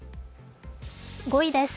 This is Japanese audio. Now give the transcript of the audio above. ５位です。